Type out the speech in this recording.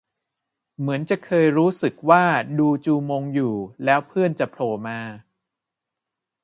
เหมือนจะเคยรู้สึกว่าดูจูมงอยู่ แล้วเพื่อนจะโผล่มา